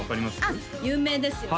あっ有名ですよね